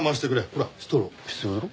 ほらストロー必要だろ？